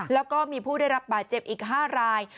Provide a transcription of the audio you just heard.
แล้วก็มีผู้ได้รับบาดเจ็บอีก๕ราย